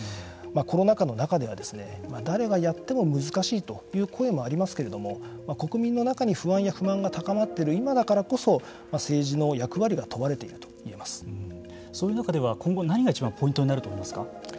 コロナ禍の中では誰がやっても難しいという声もありますけれども国民の中に不安や不満が高まっている今だからこそ政治の役割が問われているとそういう中では今後、何がいちばんポイントになると思いますか。